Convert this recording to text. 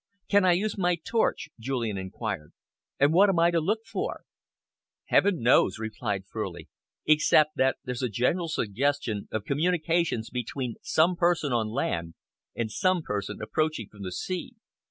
"Can I use my torch," Julian enquired, "and what am I to look out for?" "Heaven knows," replied Furley, "except that there's a general suggestion of communications between some person on land and some person approaching from the sea.